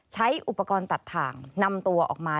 ใช้อุปกรณ์ตัดถ่างนำตัวออกมา